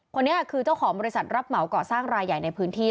คนนี้คือเจ้าของบริษัทรับเหมาก่อสร้างรายใหญ่ในพื้นที่